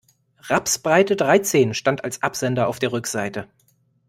Rapsbreite dreizehn stand als Absender auf der Rückseite.